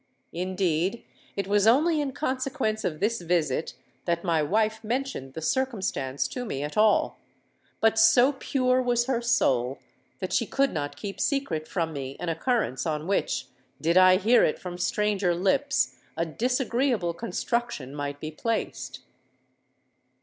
Indeed, it was only in consequence of this visit that my wife mentioned the circumstance to me at all; but so pure was her soul, that she could not keep secret from me an occurrence on which, did I hear it from stranger lips, a disagreeable construction might be placed.